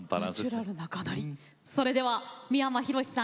それでは三山ひろしさん